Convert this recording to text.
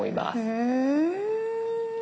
へえ！